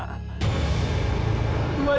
suning demam bau banana